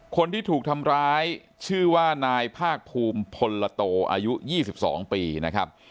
คนที่ถูกทำร้ายชื่อว่านายภาคภูมิพลโตอายุ๒๒ปีนะครับ